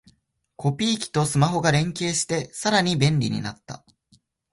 コピー機とスマホが連携してさらに便利になった